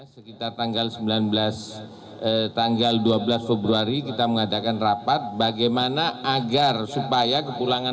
sekitar tanggal sembilan belas tanggal dua belas februari kita mengadakan rapat bagaimana agar supaya kepulangan